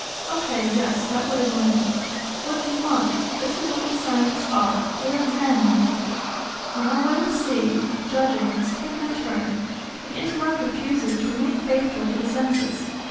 "Okay, yes; that would annoy me. What do you want? This is what we scientists are: we are men, my dear. When our way of seeing, of judging, has taken a turn, the intellect refuses to remain faithful to the senses.